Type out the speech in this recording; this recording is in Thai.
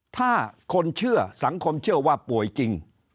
ถ้าคนเชื่อสังคมเชื่อว่าป่วยจริง